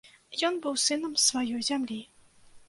Ён быў сынам сваёй зямлі.